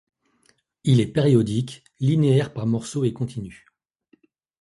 Il est périodique, linéaire par morceaux et continu.